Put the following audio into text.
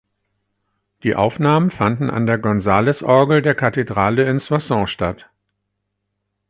Die Aufnahmen fanden an der Gonzales-Orgel der Kathedrale in Soissons statt.